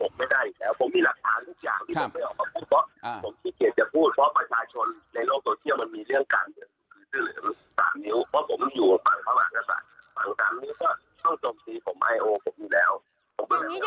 ก็ผมขี้เคียดจะพูดเพราะประชาชนในโลกโตเชียมก็มีเรื่องกัน